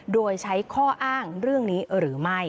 โดยใช้ข้ออ้างเรื่องนี้หรือไม่